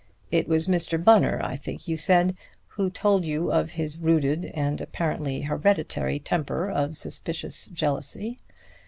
It was Mr. Bunner, I think you said, who told you of his rooted and apparently hereditary temper of suspicious jealousy.